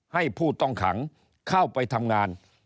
ผู้ต้องขังเข้าไปทำงาน